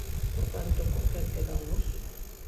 Por tanto, ¿con que quedamos?